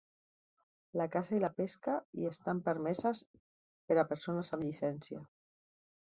La caça i la pesca hi estan permeses per a persones amb llicència.